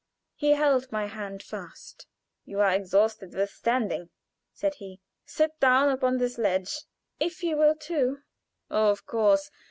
He held my hand fast. "You are exhausted with standing?" said he. "Sit down upon this ledge." "If you will too." "Oh, of course.